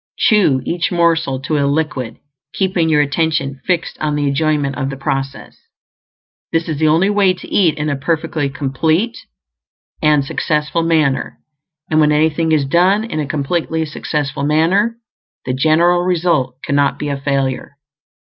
Chew each morsel to a liquid, keeping your attention fixed on the enjoyment of the process. This is the only way to eat in a perfectly complete and successful manner; and when anything is done in a completely successful manner, the general result cannot be a failure.